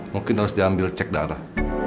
mungkin harus diambil cek darah